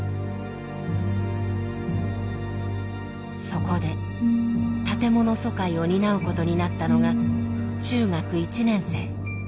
そこで建物疎開を担うことになったのが中学１年生。